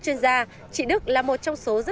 chị không trả được nữa anh muốn làm gì thì làm